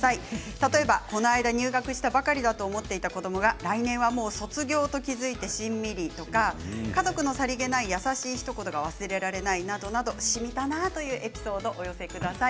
例えばこの間入学したばかりだと思っていた子どもが来年は卒業と気付いてしんみりとかあと家族のさりげない優しいひと言が忘れられないなどなどしみたなというエピソードをお寄せください。